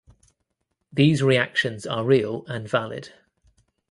These reactions are real and valid.